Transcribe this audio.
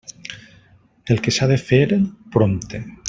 El que s'ha de fer, prompte.